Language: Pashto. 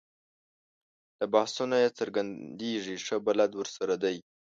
له بحثونو یې څرګندېږي ښه بلد ورسره دی.